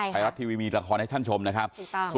ไทยรัฐทีวีมีละครให้ท่านชมนะครับ